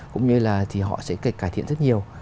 cũng như là họ sẽ cải thiện rất nhiều